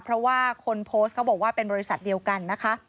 เพราะว่าคนโพสต์เขาบอกว่าเป็นบริษัทเดียวกันนะคะ